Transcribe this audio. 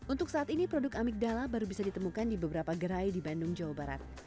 untuk saat ini produk amigdala baru bisa ditemukan di beberapa gerai di bandung jawa barat